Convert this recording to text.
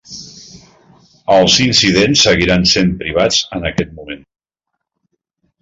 Els incidents seguiran sent privats en aquest moment.